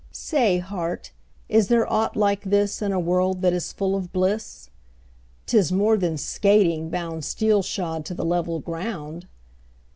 Say, heart, is there aught like this In a world that is full of bliss? 'Tis more than skating, bound 15 Steel shod to the level ground.